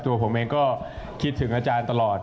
ตัวผมเองก็คิดถึงอาจารย์ตลอด